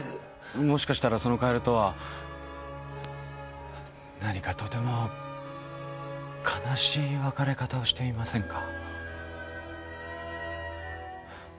もしかしたらそのカエルとは何かとても悲しい別れ方をしていませんか？